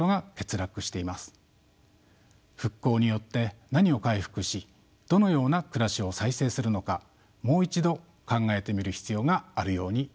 復興によって何を回復しどのような暮らしを再生するのかもう一度考えてみる必要があるように思います。